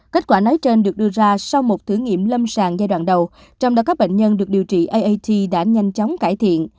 kết quả nói trên được đưa ra sau một thử nghiệm lâm sàng giai đoạn đầu trong đó các bệnh nhân được điều trị art đã nhanh chóng cải thiện